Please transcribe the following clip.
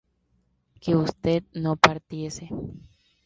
que usted no partiese